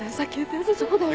そうだよ。